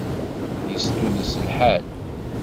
Yestulles lḥal.